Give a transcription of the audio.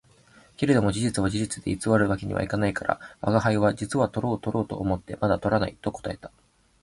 けれども事実は事実で偽る訳には行かないから、吾輩は「実はとろうとろうと思ってまだ捕らない」と答えた